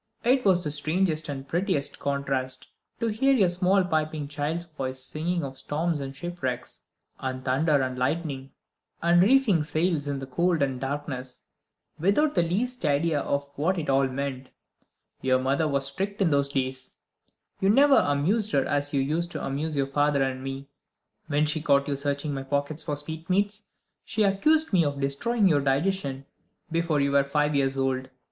It was the strangest and prettiest contrast, to hear your small piping child's voice singing of storms and shipwrecks, and thunder and lightning, and reefing sails in cold and darkness, without the least idea of what it all meant. Your mother was strict in those days; you never amused her as you used to amuse your father and me. When she caught you searching my pockets for sweetmeats, she accused me of destroying your digestion before you were five years old.